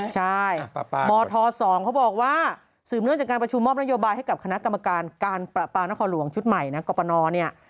ใช่มธ๒เขาบอกว่าสืบเนื่องจากการประชุมมอบนโยบายให้กับคณะกรรมการการประปานครหลวงชุดใหม่นะกรปนเนี่ย